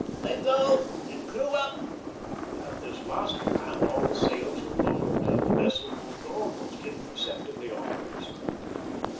"Let go—and clue up!" At this last command all the sails were lowered, and the vessel moved almost imperceptibly onwards.